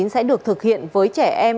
sẽ được thực hiện với trẻ em